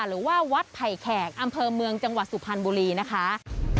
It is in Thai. หรือว่าวัดไผ่แขกอำเภอเมืองจังหวัดสุพรรณบุรีนะคะ